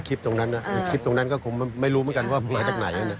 คลิปตรงนั้นนะคลิปตรงนั้นก็คงไม่รู้เหมือนกันว่ามาจากไหน